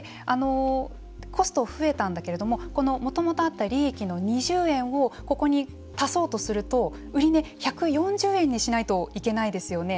コストが増えたんだけどもともとあった利益の２０円をここに足そうとすると売値１４０円にしないといけないですよね。